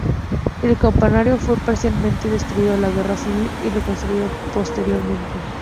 El campanario fue parcialmente destruido a la guerra civil y reconstruido posteriormente.